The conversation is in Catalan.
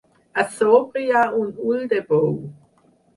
A sobre hi ha un ull de bou.